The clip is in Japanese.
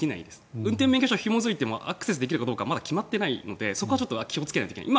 運転免許証にひも付いてもアクセスできるかはまだ決まってないのでそこは気をつけないといけない。